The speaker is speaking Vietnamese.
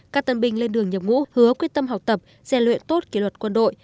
các tân binh lên đường nhập ngũ hứa quyết tâm học tập xen luyện tốt kỷ luật quân đội